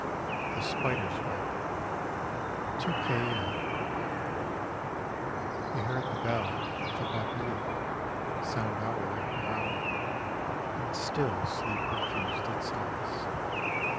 THE SPIDER'S WEB To K. L. He heard the bell of the Badia sound hour after hour, and still sleep refused its solace.